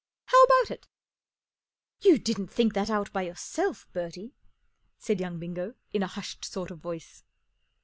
How about it ?" 44 You didn't think that out by. yourself, Bertie ?" said young Bingo, in a hushed sort of voice.